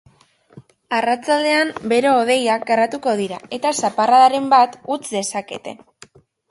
Arratsaldean bero-hodeiak garatuko dira eta zaparradaren bat utz dezakete.